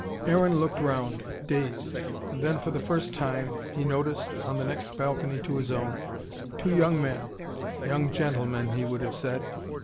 Aaron looked round, dazed. And then for the first time he noticed, on the next balcony to his own, two young men: young gentlemen, he would have said.